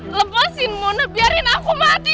lepasin muna biarin aku mati